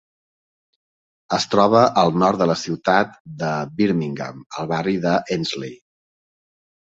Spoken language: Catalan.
Es troba al nord de la ciutat de Birmingham, al barri de Ensley.